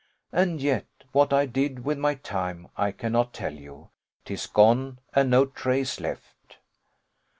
And yet what I did with my time I cannot tell you: 'tis gone, and no trace left.